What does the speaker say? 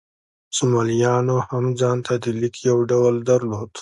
سومالیایانو هم ځان ته د لیک یو ډول درلود.